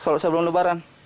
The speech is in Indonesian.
kalau sebelum lebaran